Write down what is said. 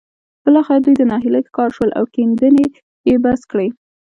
بالاخره دوی د ناهيلۍ ښکار شول او کيندنې يې بس کړې.